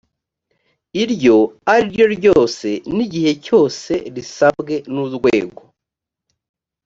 iryo ari ryo ryose n igihe cyose risabwe n urwego